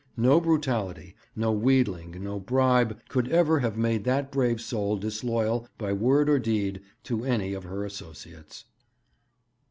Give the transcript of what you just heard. No brutality, no wheedling, no bribe, could ever have made that brave soul disloyal by word or deed to any of her associates.